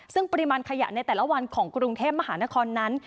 ซึ่งปริมาณขยะในแต่ละวันของกรุงเทพมหานครนั้น